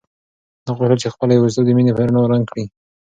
ده غوښتل چې خپله یوازیتوب د مینې په رڼا رنګ کړي.